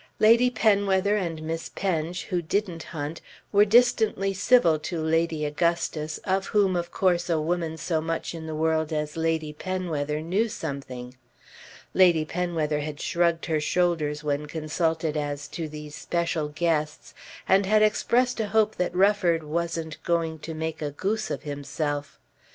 Lady Penwether and Miss Penge who didn't hunt were distantly civil to Lady Augustus of whom of course a woman so much in the world as Lady Penwether knew something. Lady Penwether had shrugged her shoulders when consulted as to these special guests and had expressed a hope that Rufford "wasn't going to make a goose of himself."